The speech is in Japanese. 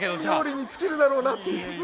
冥利に尽きるだろうなって。